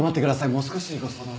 もう少しご相談を。